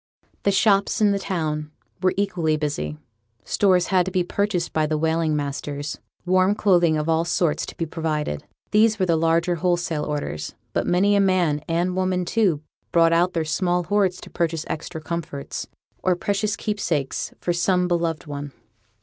The shops in the town were equally busy; stores had to be purchased by the whaling masters, warm clothing of all sorts to be provided. These were the larger wholesale orders; but many a man, and woman, too, brought out their small hoards to purchase extra comforts, or precious keepsakes for some beloved one.